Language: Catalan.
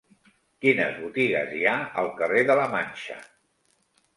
Quines botigues hi ha al carrer de la Manxa?